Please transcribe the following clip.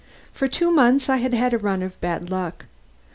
For two months I had had a run of bad luck.